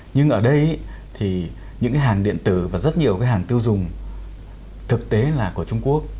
nhưng ở đây thì những cái hàng điện tử và rất nhiều cái hàng tiêu dùng thực tế là của trung quốc